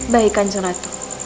baik kanjeng ratu